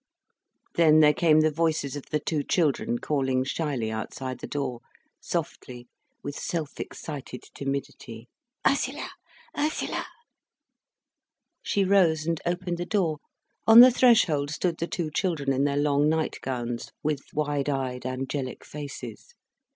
Then there came the voices of the two children calling shyly outside the door, softly, with self excited timidity: "Ursula! Ursula!" She rose and opened the door. On the threshold stood the two children in their long nightgowns, with wide eyed, angelic faces.